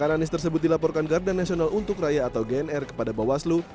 kan anies tersebut dilaporkan garda nasional untuk raya atau gnr kepada bawaslu